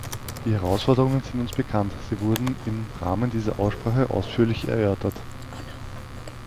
Die Herausforderungen sind uns bekannt sie wurden im Rahmen dieser Aussprache ausführlich erörtert.